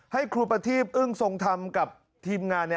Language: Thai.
ให้ครูปธีพอึ้งทรงทำกับทีมงานนี่